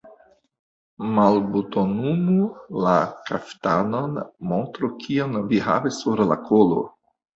Malbutonumu la kaftanon, montru, kion vi havas sur la kolo.